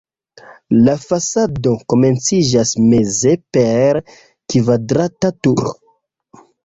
La fasado komenciĝas meze per kvadrata turo.